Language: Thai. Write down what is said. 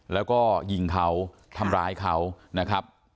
แล้วก็ยิงเขาทำร้ายเขานะครับ